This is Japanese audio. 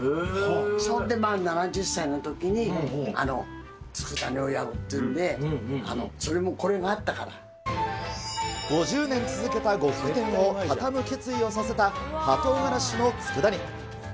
それで満７０歳のときに、つくだ煮をやろうっていうんで、それも５０年続けた呉服店を畳む決意をさせた、葉トウガラシのつくだ煮。